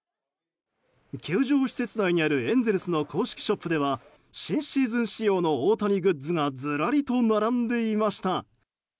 球場施設内にあるエンゼルスの公式ショップでは新シーズン仕様の大谷グッズがずらりと並んでいました。